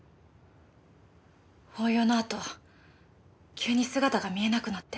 法要のあと急に姿が見えなくなって。